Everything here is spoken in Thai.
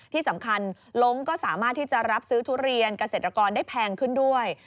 ที่สำคัญล้งก็สามารถที่จะรับซื้อทุเรียนเกษตรกรได้แพงขึ้นด้วย